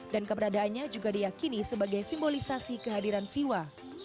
dan keberadaannya juga diakini sebagai simbolisasi kehadiran siwa